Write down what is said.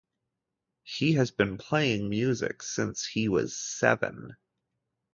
He has been playing music since he was seven.